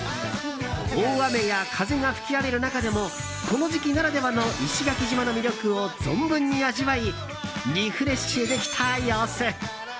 大雨や風が吹き荒れる中でもこの時期ならではの石垣島の魅力を存分に味わいリフレッシュできた様子。